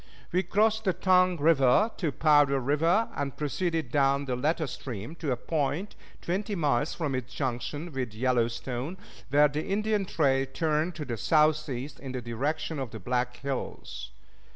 We crossed the Tongue River to Powder River, and proceeded down the latter stream to a point twenty miles from its junction with the Yellowstone, where the Indian trail turned to the southeast in the direction of the Black Hills.